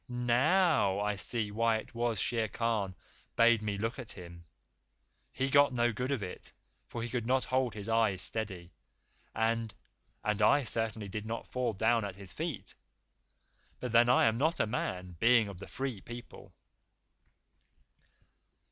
"NOW I see why it was Shere Khan bade me look at him! He got no good of it, for he could not hold his eyes steady, and and I certainly did not fall down at his feet. But then I am not a man, being of the Free People."